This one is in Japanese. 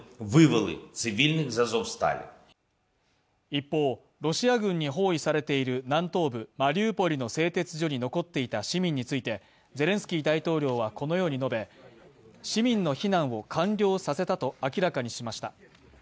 一方、ロシア軍に包囲されている南東部マリウポリの製鉄所に残っていた市民について、ゼレンスキー大統領はこのように述べ、市民の避難を完了させたと明らかにしました。